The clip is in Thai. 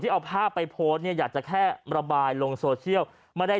เอาภาพไปโพสต์เนี่ยอยากจะแค่ระบายลงโซเชียลไม่ได้